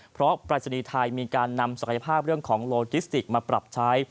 เพราะปรายศนีย์ไทยมีการนำศักยภาพเรื่องของโลจิสติกมาปรับใช้